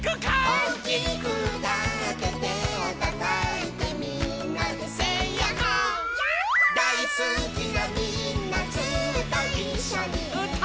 「おおきくうたっててをたたいてみんなでセイやっほー☆」やっほー☆「だいすきなみんなずっといっしょにうたおう」